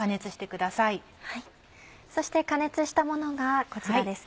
そして加熱したものがこちらです。